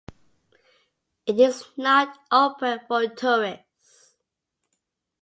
It is not open for tourists.